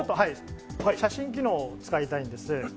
写真機能を使いたいんです。